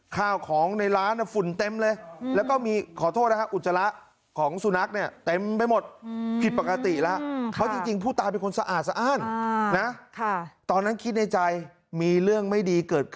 ข้าวของในร้านฝุ่นเต็มเลยแล้วก็มีขอโทษนะฮะอุจจาระของสุนัขเนี่ยเต็มไปหมด